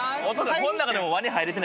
この中で。